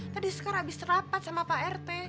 tadi sekarang habis rapat sama pak rt